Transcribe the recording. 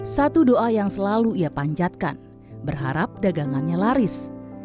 satu doa yang selalu ia panjatkan berharap dagangannya laris